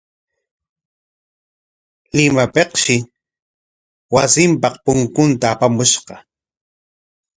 Limapikshi wasinpaq punkuta apamushqa.